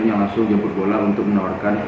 yang cuma satu vaksin